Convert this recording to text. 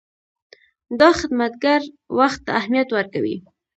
دا خدمتګر وخت ته اهمیت ورکوي.